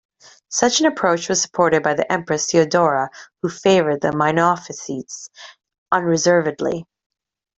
Such an approach was supported by the Empress Theodora, who favoured the Monophysites unreservedly.